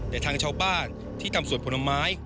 แต่ทางชาวบ้านที่ทำสวนผลไม้